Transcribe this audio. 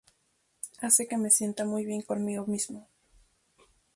Hace que me sienta muy bien conmigo mismo.